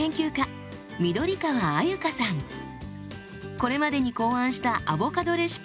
これまでに考案したアボカドレシピ